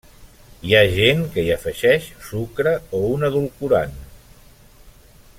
Hi ha gent que hi afegeix sucre o un edulcorant.